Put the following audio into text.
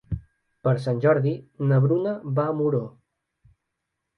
Per Sant Jordi na Bruna va a Muro.